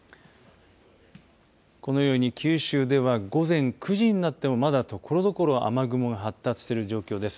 このように九州では午前９時になってもまだ、ところどころ雨雲が発達している状況です。